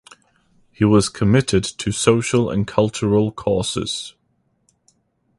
He was committed to social and cultural causes.